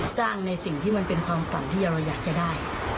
ในสิ่งที่มันเป็นความฝันที่เราอยากจะได้